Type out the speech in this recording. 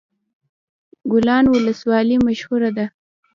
ګیلان ولسوالۍ مشهوره ده؟